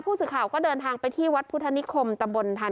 ผู้สื่อข่าวก็เดินทางไปที่วัดพุทธนิคมตำบลทาง